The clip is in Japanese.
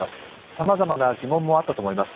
さまざまな疑問もあったと思います。